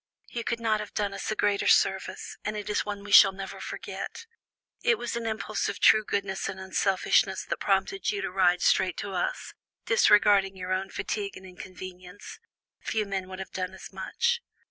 "You could not have done us a greater service, and it is one we shall never forget. It was an impulse of true goodness and unselfishness that prompted you to ride straight to us, disregarding your own fatigue and inconvenience; few men would have done as much."